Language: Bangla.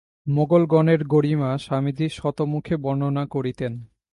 মোগলগণের গরিমা স্বামীজী শতমুখে বর্ণনা করিতেন।